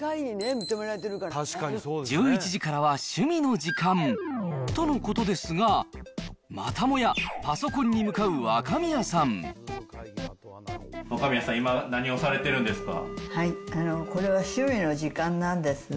１１時からは趣味の時間。とのことですが、またもやパソコ若宮さん、今、何をされてるこれは趣味の時間なんです。